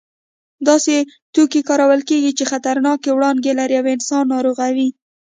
داسې توکي کارول کېږي چې خطرناکې وړانګې لري او انسان ناروغوي.